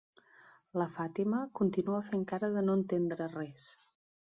La Fàtima continua fent cara de no entendre res.